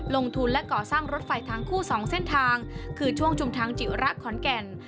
ลงทุนและก่อสร้างรถไฟทั้งคู่๒เส้นทางคือช่วงชุมทางจิระขอนแก่น